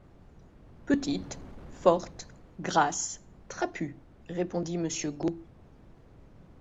Petite, forte, grasse, trapue, répondit monsieur Gault.